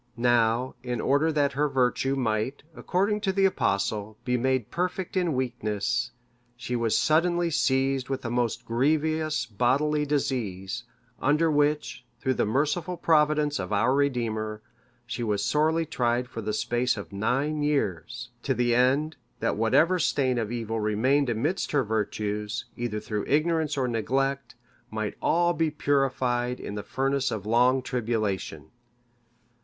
Now, in order that her virtue might, according to the Apostle, be made perfect in weakness, she was suddenly seized with a most grievous bodily disease, under which, through the merciful providence of our Redeemer, she was sorely tried for the space of nine years; to the end, that whatever stain of evil remained amidst her virtues, either through ignorance or neglect, might all be purified in the furnace of long tribulation.